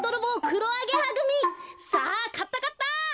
さあかったかった！